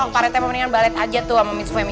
oh paretnya mendingan balet aja tuh sama miss femi